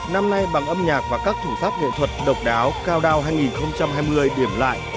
năm nay bằng âm nhạc và các thủ pháp nghệ thuật độc đáo cao đao hai nghìn hai mươi điểm lại